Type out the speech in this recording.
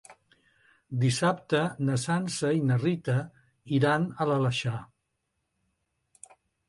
Dissabte na Sança i na Rita iran a l'Aleixar.